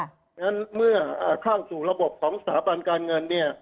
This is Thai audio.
เพราะฉะนั้นเมื่อเข้าสู่ระบบของสถาบันการเงินเนี่ย